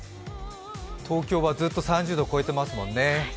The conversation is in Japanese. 東京はずっと３０度超えてますもんね。